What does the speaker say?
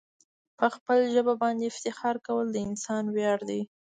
په خپل ژبه باندي افتخار کول د انسان ویاړ دی.